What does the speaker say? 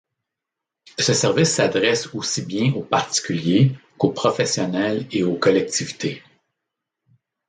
Ce service s'adresse aussi bien aux particuliers, qu'aux professionnels et aux collectivités.